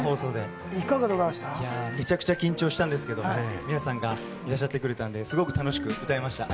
初めての生放送でめちゃくちゃ緊張したんですけれども、皆さんがいらっしゃってくれたんで、すごく楽しく歌えました。